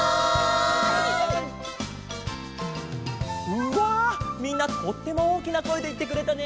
うわみんなとってもおおきなこえでいってくれたね。